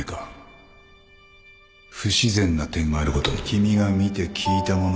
君が見て聞いたもの